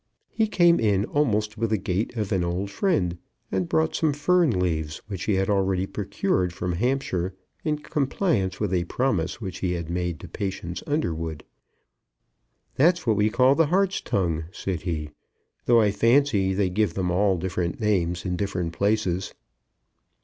He came in almost with the gait of an old friend, and brought some fern leaves, which he had already procured from Hampshire, in compliance with a promise which he had made to Patience Underwood. "That's what we call the hart's tongue," said he, "though I fancy they give them all different names in different places."